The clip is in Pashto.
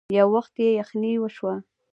يو وخت يې يخنې وشوه.